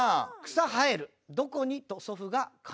「“草生える”“どこに？”と祖父が鎌を持つ」